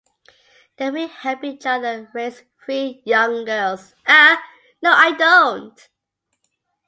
The three help each other raise three young girls.